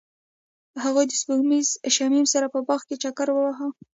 هغوی د سپوږمیز شمیم سره په باغ کې چکر وواهه.